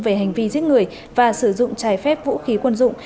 về hành vi giết người và sử dụng trái phép vũ khí quân dụng